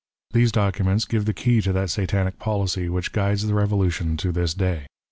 These documents give the key to that satanic policy which guides the Eevolution to this day.